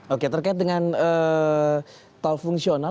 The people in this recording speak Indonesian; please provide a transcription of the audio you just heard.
oke terkait dengan tol fungsional